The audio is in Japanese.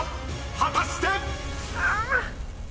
果たして⁉］